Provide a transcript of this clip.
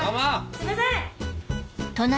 ・すいません！